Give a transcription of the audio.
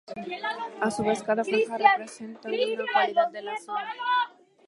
A su vez, cada franja representa una cualidad de la zona.